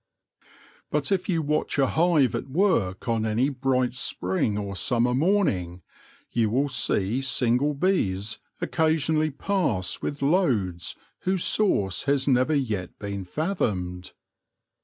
But, if you watch a hive at work on any bright spring or summer morning, you will see single bees occasionally pass with loads whose source has never yet been fathomed.